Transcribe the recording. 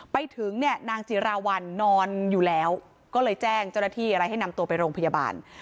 ไปถึงเนี่ยนางจิราวัลนอนอยู่แล้วก็เลยแจ้งเจ้าหน้าที่อะไรให้นำตัวไปโรงพยาบาล